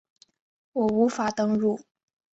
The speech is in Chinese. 我无法登入